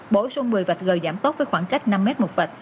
bổ sung một mươi vạch gờ giảm tốc với khoảng cách năm m một vạch